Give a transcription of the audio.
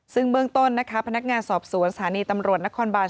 ซึ่งเบื้องต้นนะคะพนักงานสอบสวนสถานีตำรวจนครบาน